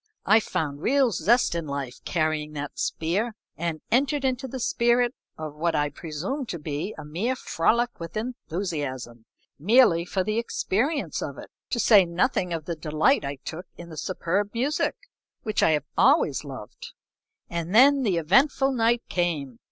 I found real zest in life carrying that spear, and entered into the spirit of what I presumed to be a mere frolic with enthusiasm, merely for the experience of it, to say nothing of the delight I took in the superb music, which I have always loved. And then the eventful night came.